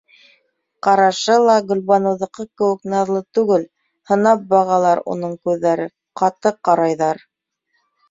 Ҡарашы ла Гөлбаныуҙыҡы кеүек наҙлы түгел, һынап бағалар уның күҙҙәре, ҡаты ҡарайҙар.